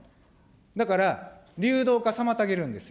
だから、流動化妨げるんですよ。